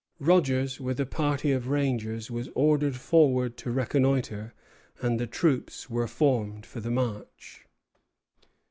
Rogers, with a party of rangers, was ordered forward to reconnoitre, and the troops were formed for the march.